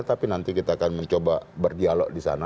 tapi nanti kita akan mencoba berdialog di sana